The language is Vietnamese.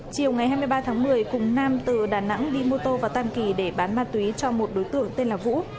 chiều ngày hai mươi ba tháng một mươi cùng nam từ đà nẵng đi mô tô vào tam kỳ để bán ma túy cho một đối tượng tên là vũ